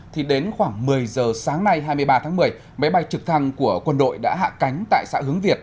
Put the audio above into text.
thì đến khoảng một mươi giờ sáng nay hai mươi ba tháng một mươi máy bay trực thăng của quân đội đã hạ cánh tại xã hướng việt